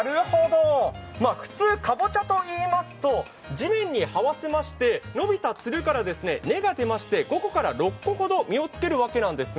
普通、かぼちゃといいますと地面に這わせまして伸びたつるから根が出まして５個から６個ほど実をつけるんですね。